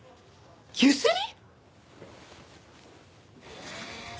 ゆすり？